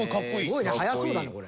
すごいね速そうだねこれ。